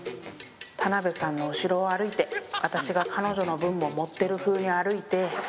田辺さんの後ろを歩いて私が彼女の分も持ってるふうに歩いて